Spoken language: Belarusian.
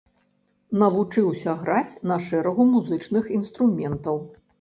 Навучыўся граць на шэрагу музычных інструментаў.